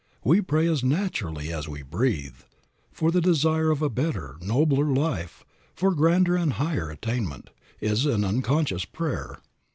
We pray as naturally as we breathe, for the desire for a better, nobler life, for grander and higher attainment, is an unconscious prayer.